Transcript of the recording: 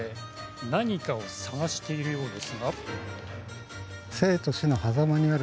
何かを探しているようですが。